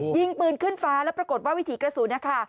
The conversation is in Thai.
ยิงปืนขึ้นฟ้าแล้วปรากฏว่าวิถีกระสุนนะคะ